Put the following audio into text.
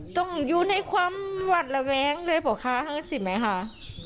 ต้องอยู่ในความวัดแหว้งซึ่งอาจริงไหมคะ